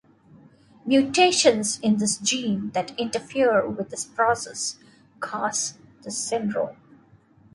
Mutations in this gene that interfere with this process cause this syndrome.